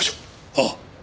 ああ。